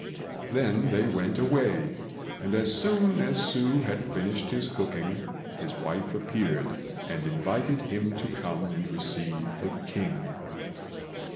Then they went away, and as soon as Hsü had finished his cooking, his wife appeared and invited him to come and receive the King.